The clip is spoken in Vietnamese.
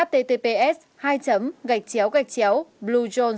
https hai gạch chéo gạch chéo bluezone